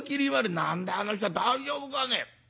「何だあの人大丈夫かね？」。